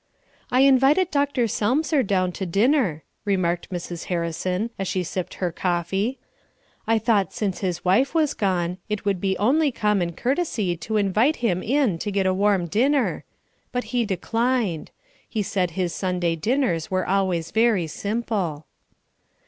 "I invited Dr. Selmser down to dinner," remarked Mrs. Harrison, as she sipped her coffee. "I thought since his wife was gone, it would be only common courtesy to invite him in to get a warm dinner, but he declined; he said his Sunday dinners were always very simple."